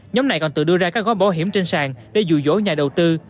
nhóm này còn tự đưa ra các gói bảo hiểm trên sàn để dụ dỗ nhà đầu tư